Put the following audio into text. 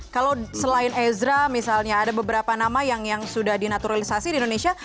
kalau selain ezra misalnya ada beberapa nama yang sudah dinaturalisasi di indonesia